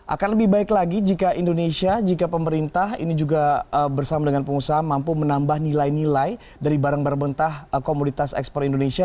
akan lebih baik lagi jika indonesia jika pemerintah ini juga bersama dengan pengusaha mampu menambah nilai nilai dari barang barang bentah komoditas ekspor indonesia